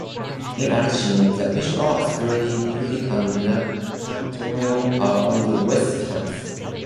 In addition, the Visual Arts building and Natatorium are on the West Campus.